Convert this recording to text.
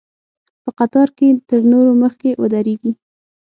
په قطار کې تر نورو مخکې ودرېږي.